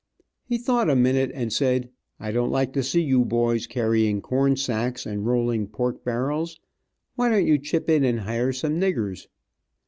He thought a minute, and said, "I don't like to see you boys carrying corn sacks, and rolling pork barrels. Why don't you chip in and hire some niggers."